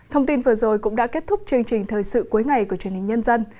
thông tin vừa rồi cũng đã kết thúc chương trình thời sự cuối ngày của truyền hình nhân dân